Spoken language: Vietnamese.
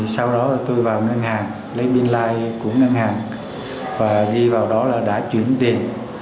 sau đó tôi vào ngân hàng lấy biên li của ngân hàng và đi vào đó là đã chuyển tiền